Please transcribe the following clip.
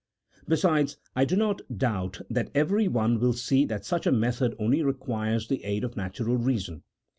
Besides, I do not doubt that every one will see that such a method only requires the aid of natural reason.